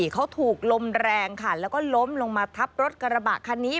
เขาถูกลมแรงค่ะแล้วก็ล้มลงมาทับรถกระบะคันนี้